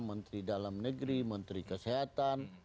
menteri dalam negeri menteri kesehatan